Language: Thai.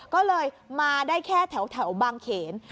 ก็เลยมาได้แค่แถวบางเขน